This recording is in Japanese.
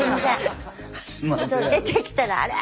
出てきたらあれ？